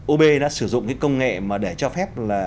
ub đã sử dụng công nghệ để cho phép